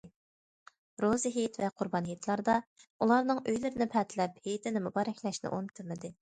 روزا ھېيت ۋە قۇربان ھېيتلاردا ئۇلارنىڭ ئۆيلىرىنى پەتىلەپ، ھېيتىنى مۇبارەكلەشنى ئۇنتۇمىدى.